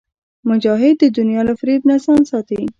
مجاهد د دنیا له فریب نه ځان ساتي.